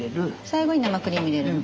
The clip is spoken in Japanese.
最後に生クリーム入れる？